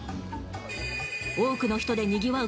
多くの人で、にぎわう